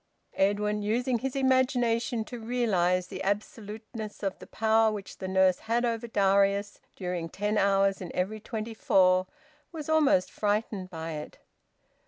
Edwin, using his imagination to realise the absoluteness of the power which the nurse had over Darius during ten hours in every twenty four, was almost frightened by it.